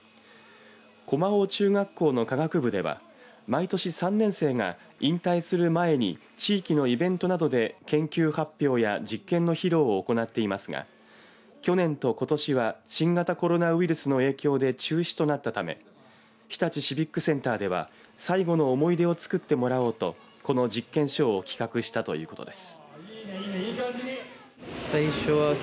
駒王中学校の科学部では毎年３年生が引退する前に地域のイベントなどで研究発表や実験の披露を行っていますが去年と、ことしは新型コロナウイルスの影響で中止となったため日立シビックセンターでは最後の思い出をつくってもらおうとこの実験ショーを企画したということです。